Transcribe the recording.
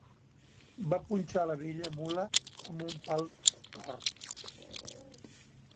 Va punxar a la vella mula amb un pal tort.